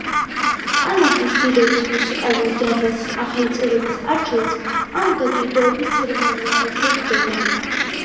კანადის დიდების მუსიკალური დარბაზის ახალი წევრების არჩევაც ამ დაჯილდოების ცერემონიალზე ხდება.